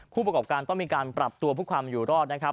ผู้ประกอบการต้องมีการปรับตัวเพื่อความอยู่รอดนะครับ